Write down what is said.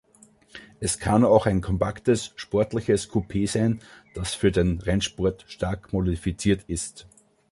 Es kann auch ein kompaktes sportliches Coupé sein, das für den Rennsport stark modifiziert ist.